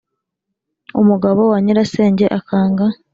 umugabo wa Nyirasenge akanga